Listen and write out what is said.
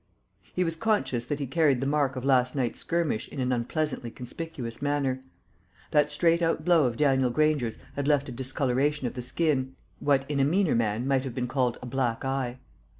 He was conscious that he carried the mark of last night's skirmish in an unpleasantly conspicuous manner. That straight out blow of Daniel Granger's had left a discoloration of the skin what in a meaner man might have been called a black eye.